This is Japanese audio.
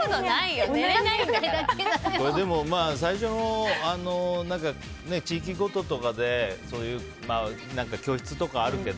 でも、最初の地域ごととかでそういう教室とかがあるけど。